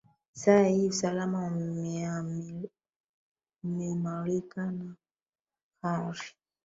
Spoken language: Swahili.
saa hii usalama umeimarika na hali